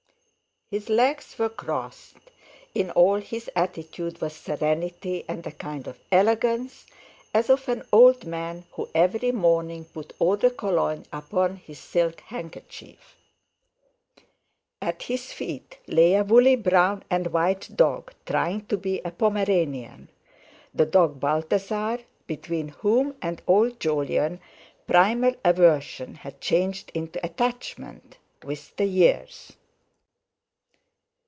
His legs were crossed; in all his attitude was serenity and a kind of elegance, as of an old man who every morning put eau de Cologne upon his silk handkerchief. At his feet lay a woolly brown and white dog trying to be a Pomeranian—the dog Balthasar between whom and old Jolyon primal aversion had changed into attachment with the years.